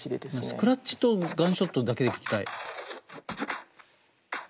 スクラッチとガンショットだけで聴きたい。